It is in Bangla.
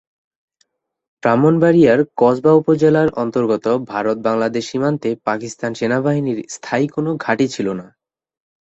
ব্রাহ্মণবাড়িয়ার কসবা উপজেলার অন্তর্গত ভারত-বাংলাদেশ সীমান্তে পাকিস্তান সেনাবাহিনীর স্থায়ী কোনো ঘাঁটি ছিল না।